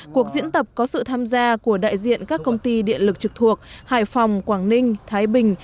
cuộc diễn tập có sự tham gia của đại diện các công ty điện lực trực thuộc hải phòng quảng ninh thái bình